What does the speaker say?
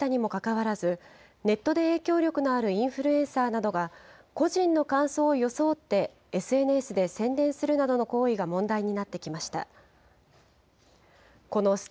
最近では企業などが依頼したにもかかわらず、ネットで影響力のあるインフルエンサーなどが、個人の感想を装って、ＳＮＳで宣伝するなどの行為が問題になってきました。